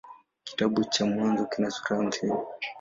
Kitabu cha Mwanzo kina sura hamsini.